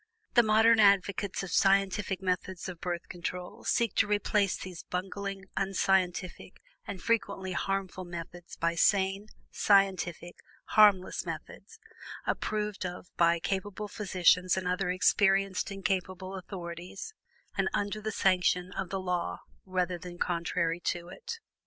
The modern advocates of scientific methods of Birth Control seek to replace these bungling, unscientific, and frequently harmful methods by sane, scientific, harmless methods, approved of by capable physicians and other experienced and capable authorities, and under the sanction of the law rather than contrary to it.